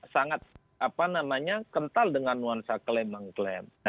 sangat kental dengan nuansa klaim mengklaim